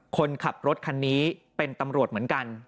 คนขับรถคันนี้เป็นตำรวจเหมือนกัน